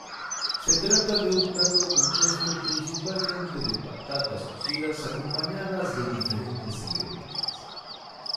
Se trata de un plato compuesto principalmente de patatas cocidas acompañadas de diferentes ingredientes.